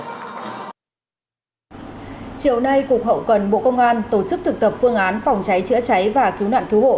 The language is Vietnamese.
chiều nay cục hậu cần bộ công an tổ chức thực tập phương án phòng cháy chữa cháy và cứu nạn cứu hộ